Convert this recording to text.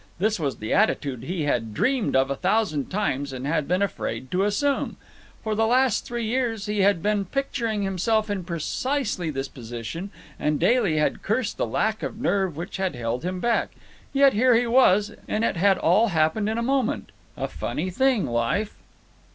This was the attitude he had dreamed of a thousand times and had been afraid to assume. For the last three years he had been picturing himself in precisely this position, and daily had cursed the lack of nerve which had held him back. Yet here he was, and it had all happened in a moment. A funny thing, life.